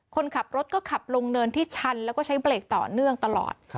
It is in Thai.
คนขับรถก็ขับลงเนินที่ชันแล้วก็ใช้เบรกต่อเนื่องตลอด